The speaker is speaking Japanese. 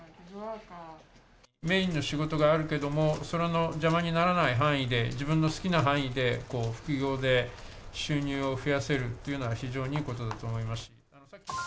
メインの仕事があるけれども、それの邪魔にならない範囲で、自分の好きな範囲で、副業で収入を増やせるというのは非常にいいことだと思います。